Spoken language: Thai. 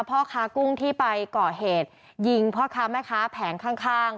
พ่อค้ากุ้งที่ไปก่อเหตุยิงพ่อค้าแม่ค้าแผงข้าง